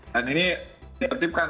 dan ini tertibkan